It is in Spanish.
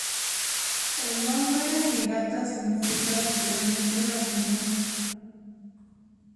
El nombre Niigata significa literalmente ‘laguna nueva’.